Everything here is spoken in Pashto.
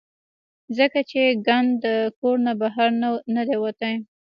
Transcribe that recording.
ځکه چې ګند د کور نه بهر نۀ دے وتے -